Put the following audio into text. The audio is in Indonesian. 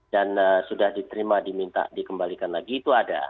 dan sudah diterima diminta dikembalikan lagi itu ada